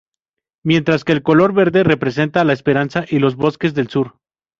Mientras que el color verde representa la esperanza y los bosques del sur.